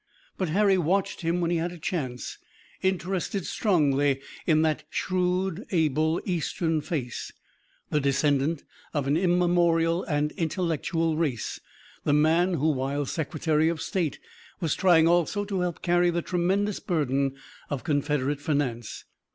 But Harry watched him when he had a chance, interested strongly in that shrewd, able, Eastern face, the descendant of an immemorial and intellectual race, the man who while Secretary of State was trying also to help carry the tremendous burden of Confederate finance.